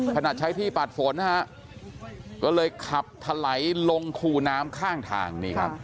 ถนัดใช้ที่ปราศรษนูรันดรก็เลยขับไถลลงขู่น้ำข้างทาง